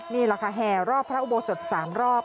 นี่ละค้าแห่รอบพระอุโบสถสามรอบ